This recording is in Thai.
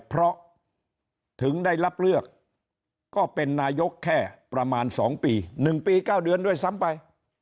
เพราะถึงได้รับเลือกก็เป็นนายกแค่ประมาณ๒ปี๑ปี๙เดือนด้วยซ้ำไป